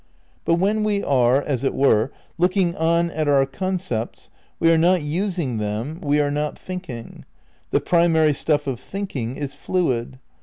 But when we are, as it were, looking on at our concepts we are not using them, we are not thinking. The primary stuff of think ing is fluid.